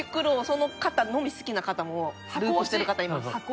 その方のみ好きな方もループしてる方います。